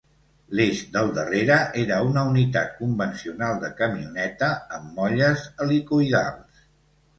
L'eix del darrere era una unitat convencional de camioneta amb molles helicoïdals.